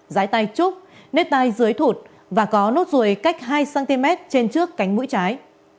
giái tay trúc nếp tay dưới thụt và có nốt ruồi cách hai cm trên trước cánh mũi trái